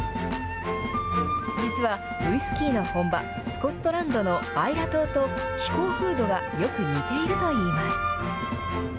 実は、ウイスキーの本場、スコットランドのアイラ島と、気候風土がよく似ているといいます。